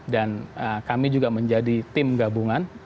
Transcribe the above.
dan kami juga menjadi tim gabungan